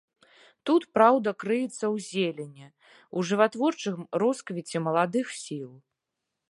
Тут праўда крыецца ў зелені, у жыватворчым росквіце маладых сіл.